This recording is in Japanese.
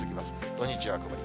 土日は曇り。